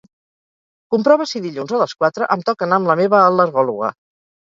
Comprova si dilluns a les quatre em toca anar amb la meva al·lergòloga.